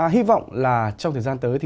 hy vọng là trong thời gian tới